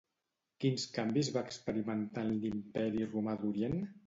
Quins canvis va experimentar en l'imperi romà d'Orient?